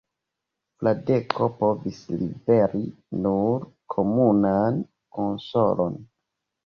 Fradeko povis liveri nur komunan konsolon.